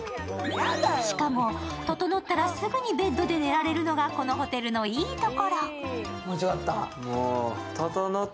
しかも、ととのったらすぐにベッドで寝られるのが、このホテルのいいところ。